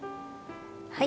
はい。